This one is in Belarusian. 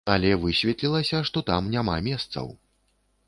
Але высветлілася, што там няма месцаў.